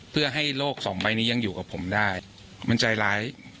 เพื่อให้โลกสองใบนี้ยังอยู่กับผมได้มันใจร้าย